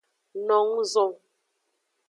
No nguzo.